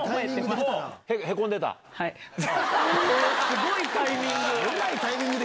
すごいタイミング！